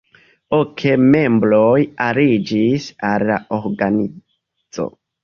Ok membroj aliĝis al la organizo.